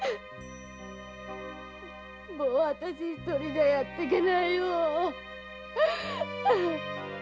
もうあたし一人でやってけないよ。